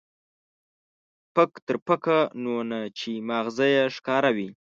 پک تر پکه، نو نه چې ما غزه يې ښکاره وي.